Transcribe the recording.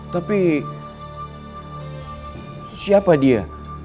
tapi siapa dia